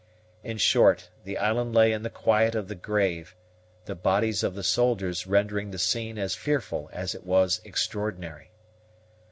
In short, the island lay in the quiet of the grave, the bodies of the soldiers rendering the scone as fearful as it was extraordinary.